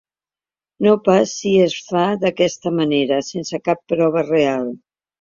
No pas si es fa d’aquesta manera, sense cap prova real.